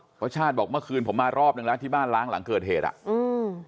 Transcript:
เพราะชาติบอกเมื่อคืนผมมารอบนึงแล้วที่บ้านล้างหลังเกิดเหตุอ่ะอืม